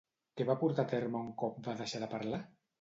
Què va portar a terme un cop va deixar de parlar?